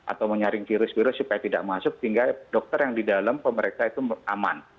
atau menyaring virus virus supaya tidak masuk sehingga dokter yang di dalam pemeriksa itu aman